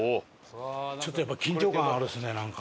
ちょっとやっぱ緊張感ありますねなんか。